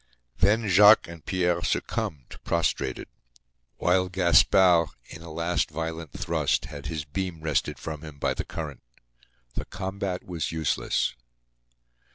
Then Jacques and Pierre succumbed, prostrated; while Gaspard, in a last violent thrust, had his beam wrested from him by the current. The combat was useless.